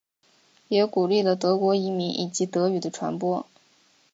也鼓励了德国移民以及德语的传播。